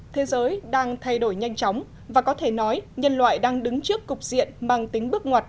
thế giới đang thay đổi nhanh chóng và có thể nói nhân loại đang đứng trước cục diện mang tính bước ngoặt